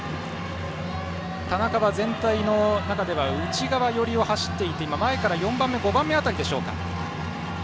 田中は全体の中では内側寄りを走っていて前から４番目、５番目辺りか。